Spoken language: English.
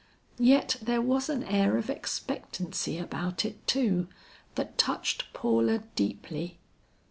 Yet there was an air of expectancy about it, too, that touched Paula deeply.